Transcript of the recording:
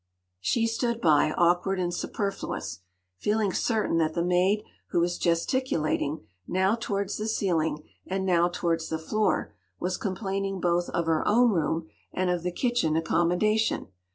She stood by awkward and superfluous, feeling certain that the maid who was gesticulating, now towards the ceiling, and now towards the floor, was complaining both of her own room and of the kitchen accommodation.